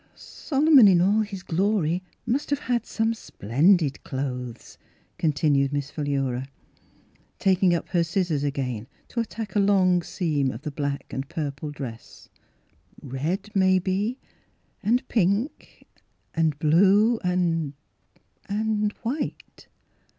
" Solomon in all his glory must have had some splendid clothes," continued Miss Philura, taking up her scissors again to attack a long seam of the black and purple dress. " Red, maybe, and pink and blue and — and white."